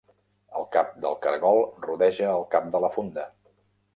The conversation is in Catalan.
El cap del cargol rodeja el cap de la funda.